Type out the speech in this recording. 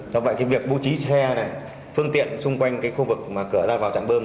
do vậy việc bố trí xe phương tiện xung quanh khu vực cửa ra vào trạm bơm